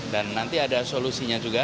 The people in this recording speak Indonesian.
dan nanti ada solusinya juga